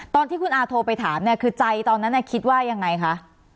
ตอนที่คุณอาโทรไปถามเนี่ยคือใจตอนนั้นคิดว่ายังไงคะ